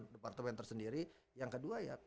departemen tersendiri yang kedua ya